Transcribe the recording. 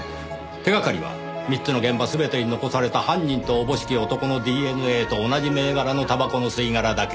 手がかりは３つの現場全てに残された犯人とおぼしき男のＤＮＡと同じ銘柄のタバコの吸い殻だけ。